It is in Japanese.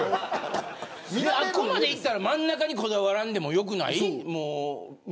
あそこまでいったら真ん中にこだわらんでもよくない。